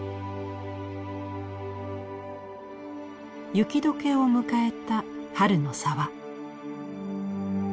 雪解けを迎えた春の沢。